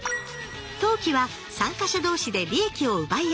投機は参加者同士で利益を奪い合う。